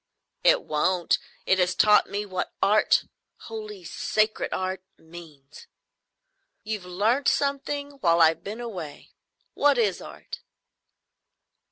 "It won't. It has taught me what Art—holy sacred Art—means." "You've learnt something while I've been away. What is Art?"